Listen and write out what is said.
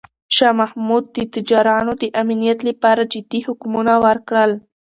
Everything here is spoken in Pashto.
شاه محمود د تجارانو د امنیت لپاره جدي حکمونه ورکړل.